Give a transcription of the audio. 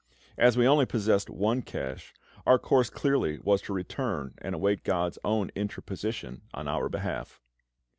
As we only possessed one cash, our course clearly was to return and await GOD'S own interposition on our behalf.